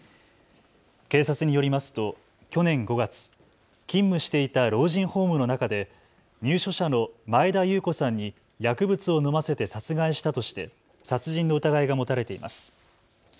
警察によりますと去年５月、勤務していた老人ホームの中で入所者の前田裕子さんに薬物を飲ませて殺害したとして殺人の疑いが持たれています。